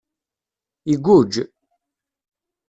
Igujj.